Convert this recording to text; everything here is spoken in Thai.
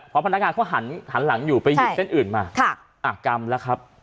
เพราะพนักงานเขาหันหลังอยู่ไปหยิบเส้นอื่นมากกรรมแล้วครับ